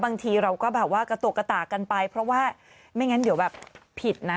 บางทีเราก็แบบว่ากระตุกกระตากกันไปเพราะว่าไม่งั้นเดี๋ยวแบบผิดนะ